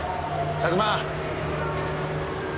佐久間！